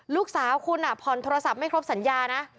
ลูกสาวคุณผ่อนโทรศัพท์ไม่ครบสัญญานะ